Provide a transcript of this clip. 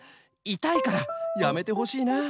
いたいからやめてほしいなあ。